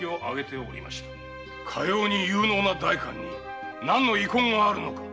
かように有能な代官になんの遺恨があるのか